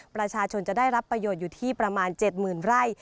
ประชาชนจะได้รับประโยชน์อยู่ที่ประมาณ๗๐๐ไร่